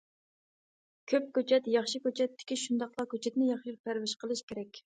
كۆپ كۆچەت، ياخشى كۆچەت تىكىش شۇنداقلا كۆچەتنى ياخشى پەرۋىش قىلىش كېرەك.